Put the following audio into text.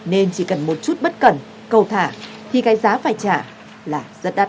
nên chỉ cần một chút bất cẩn cầu thả thì cái giá phải trả là rất đắt